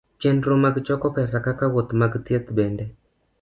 Chenro mag choko pesa kaka wuoth mag thieth bende